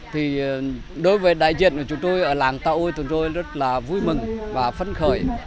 thì đối với đại diện của chúng tôi ở làng tàu chúng tôi rất là vui mừng và phấn khởi